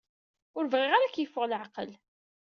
Ur bɣiɣ ara ad k-yeffeɣ leɛqel.